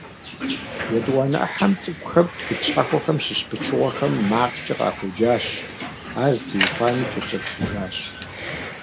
Етӏуанэ ӏыхьэм цӏыкӏухэм тхылъ щхьэхуэхэм щыщ пычыгъуэхэм макъкӏэ къахуеджащ, ар зытеухуами тепсэлъыхьыжащ.